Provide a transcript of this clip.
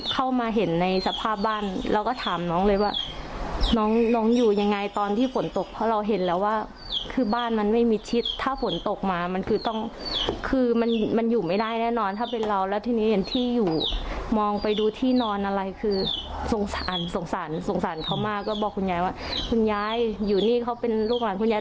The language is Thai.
ก็บอกคุณย้ายว่าคุณย้ายอยู่นี่เขาเป็นลูกหลานคุณย้าย